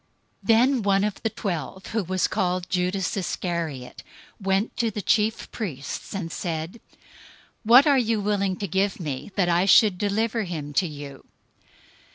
026:014 Then one of the twelve, who was called Judas Iscariot, went to the chief priests, 026:015 and said, "What are you willing to give me, that I should deliver him to you?"